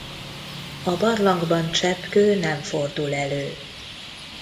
A barlangban cseppkő nem fordul elő.